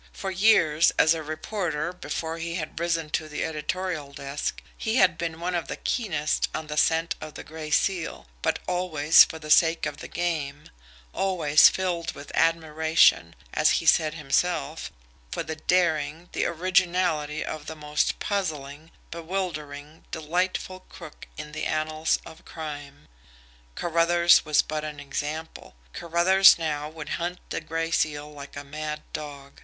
For years, as a reporter before he had risen to the editorial desk, he had been one of the keenest on the scent of the Gray Seal, but always for the sake of the game always filled with admiration, as he said himself, for the daring, the originality of the most puzzling, bewildering, delightful crook in the annals of crime. Carruthers was but an example. Carruthers now would hunt the Gray Seal like a mad dog.